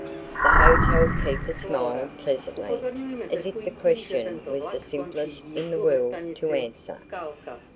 The hotel keeper smiled pleasantly, as if the question was the simplest in the world to answer.